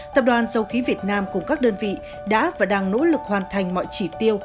tập đoàn dầu khí việt nam cùng các đơn vị đã và đang nỗ lực hoàn thành mọi chỉ tiêu